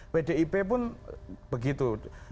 bdip pun begitu